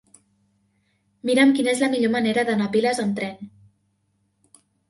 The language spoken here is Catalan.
Mira'm quina és la millor manera d'anar a Piles amb tren.